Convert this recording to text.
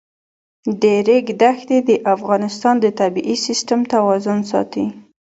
د ریګ دښتې د افغانستان د طبعي سیسټم توازن ساتي.